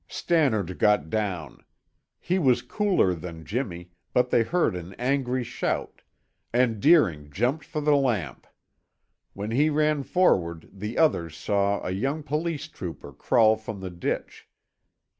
Stannard got down; he was cooler than Jimmy, but they heard an angry shout, and Deering jumped for the lamp. When he ran forward the others saw a young police trooper crawl from the ditch.